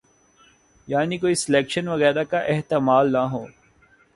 یعنی کوئی سلیکشن وغیرہ کا احتمال نہ ہو۔